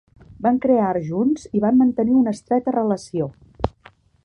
Van crear art junts i van mantenir una estreta relació.